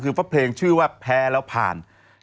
คือเพราะเพลงชื่อว่าแพ้แล้วผ่าน